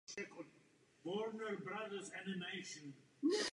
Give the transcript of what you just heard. Město se nachází v regionu Centro.